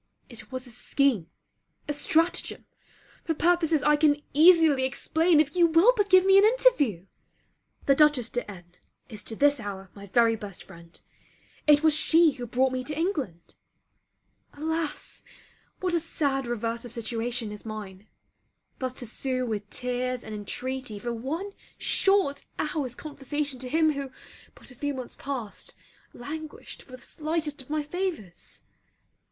It was a scheme, a stratagem for purposes I can easily explain if you will but give me an interview. The Dutchess de N is to this hour my very best friend; it was she who brought me to England. Alas, what a sad reverse of situation is mine! thus to sue with tears and intreaty for one short hour's conversation to him who, but a few months past, languished for the slightest of my favours!